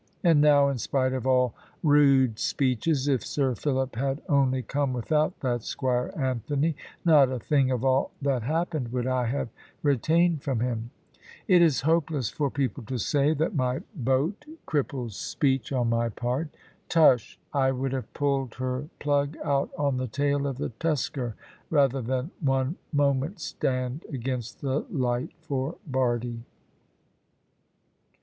And now, in spite of all rude speeches, if Sir Philip had only come without that Squire Anthony, not a thing of all that happened would I have retained from him. It is hopeless for people to say that my boat crippled speech on my part. Tush! I would have pulled her plug out on the tail of the Tuskar rather than one moment stand against the light for Bardie.